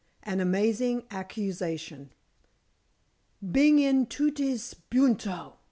AN AMAZING ACCUSATION. "Beng in tutes bukko!"